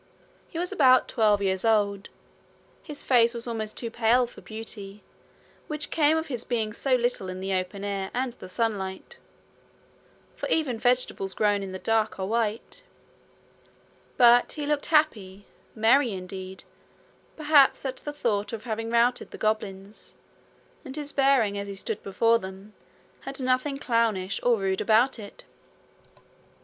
He was about twelve years old. His face was almost too pale for beauty, which came of his being so little in the open air and the sunlight for even vegetables grown in the dark are white; but he looked happy, merry indeed perhaps at the thought of having routed the goblins; and his bearing as he stood before them had nothing clownish or rude about it.